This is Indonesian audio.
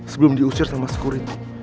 sebelum diusir sama skurin